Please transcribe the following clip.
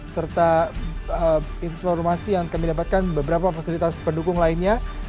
serta informasi yang kami dapatkan beberapa fasilitas pendukung lainnya